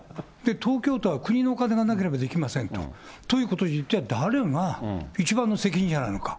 東京都は国のお金がなければできませんと、ということで、じゃあ、誰が一番の責任者なのか。